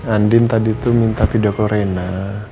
andin tadi itu minta pidoko rena